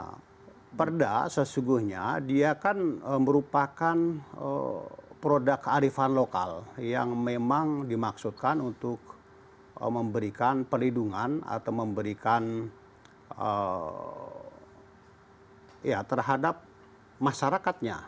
karena perda sesungguhnya dia kan merupakan produk kearifan lokal yang memang dimaksudkan untuk memberikan perlindungan atau memberikan terhadap masyarakatnya